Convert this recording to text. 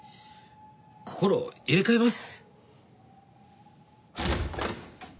心を入れ替えます。